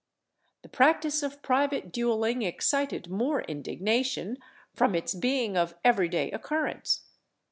The practice of private duelling excited more indignation, from its being of every day occurrence.